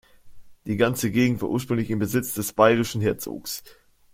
Die ganze Gegend war ursprünglich im Besitz des Bayerischen Herzogs.